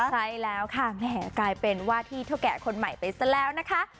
ใช่แล้วค่ะแหมกลายเป็นว่าที่เท่าแก่คนใหม่ไปซะแล้วนะคะ